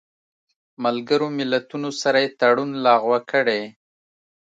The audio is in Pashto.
ملګرو ملتونو سره یې تړون لغوه کړی